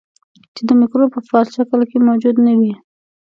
چې د مکروب په فعال شکل کې موجود نه وي.